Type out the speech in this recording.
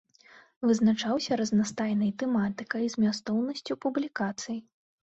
Вызначаўся разнастайнай тэматыкай, змястоўнасцю публікацый.